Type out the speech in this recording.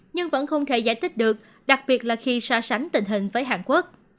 nhưng vẫn không thể giải thích được đặc biệt là khi so sánh tình hình với hàn quốc